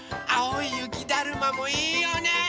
あおいゆきだるまもいいよね！